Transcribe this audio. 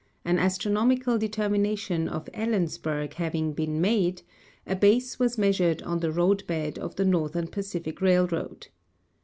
An astronomical determination of Ellensburg having been made, a Ijase was measured on the roadbed of the Northern Pacific railroad.